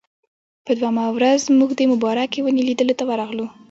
په دویمه ورځ موږ د مبارکې ونې لیدلو ته ورتللو.